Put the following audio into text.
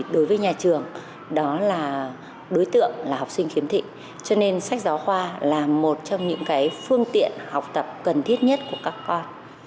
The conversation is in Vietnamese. đối với nhà trường đó là đối tượng là học sinh khiếm thị cho nên sách giáo khoa là một trong những phương tiện học tập cần thiết nhất của các con